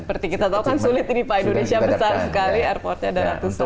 seperti kita tahu kan sulit ini pak indonesia besar sekali airportnya ada ratusan